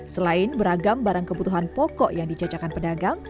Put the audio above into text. selain beragam barang kebutuhan pokok yang dijajakan pedagang